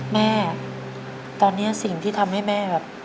แม่ตอนนี้สิ่งที่ทำให้แม่แบบ